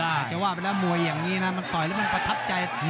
อาจจะว่าไปแล้วมวยอย่างนี้นะมันต่อยแล้วมันประทับใจ